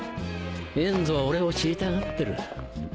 エンゾは俺を知りたがってる。